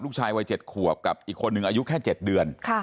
ลูกชายวัย๗ขวบกับอีกคนนึงอายุแค่๗เดือน